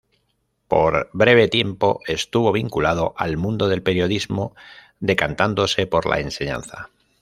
Por breve tiempo, estuvo vinculado al mundo del periodismo, decantándose por la enseñanza.